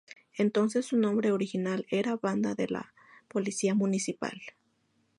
Entonces su nombre original era "Banda de la Policía Municipal".